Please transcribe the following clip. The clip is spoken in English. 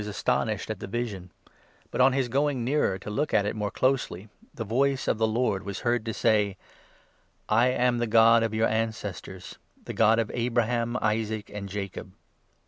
astonished at the vision ; but on his going nearer to look at it more closely, the voice of the Lord was heard to say —' I am 32 the God of your ancestors, the God of Abraham, Isaac, and Jacob.'